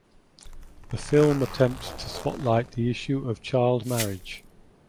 The film attempts to spotlight the issue of child marriage.